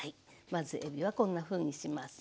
まずえびはこんなふうにします。